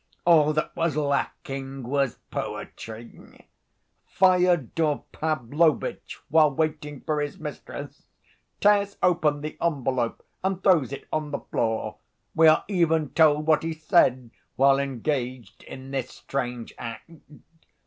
All that was lacking was poetry. Fyodor Pavlovitch, while waiting for his mistress, tears open the envelope and throws it on the floor. We are even told what he said while engaged in this strange act.